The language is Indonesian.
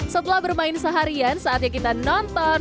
setelah bermain seharian saatnya kita nonton